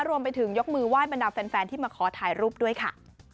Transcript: รวมไปถึงยกมือไห้บรรดาแฟนที่มาขอถ่ายรูปด้วยค่ะ